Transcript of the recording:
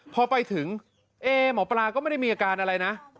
พอไปถึงเอ๊หมอปลาก็ไม่ได้มีอาการอะไรนะ